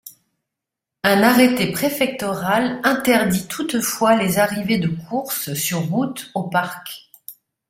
Un arrêté préfectoral interdit toutefois les arrivées de courses sur route au Parc.